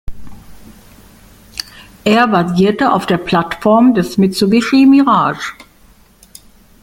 Er basierte auf der Plattform des Mitsubishi Mirage.